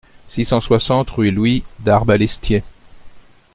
six cent soixante rue Louis d'Arbalestier